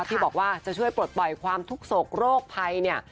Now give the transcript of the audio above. ที่บอกว่าจะช่วยปลดปล่อยความทุกข์โศกโรคภัยเนี่ย